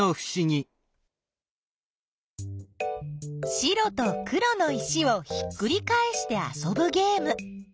白と黒の石をひっくりかえしてあそぶゲーム。